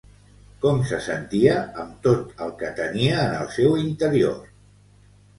Com se sentia amb tot el que tenia en el seu interior?